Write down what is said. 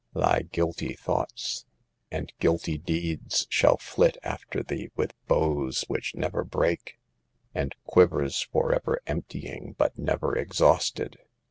Thy guilty thoughts, and guilty deeds shall flit after thee with bows which never break, and quivers forever emptying but never exhausted